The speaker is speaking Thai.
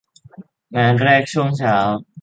งานแรกช่วงเช้า